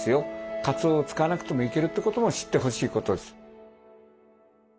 かつおを使わなくてもいけるってことも知ってほしいことです。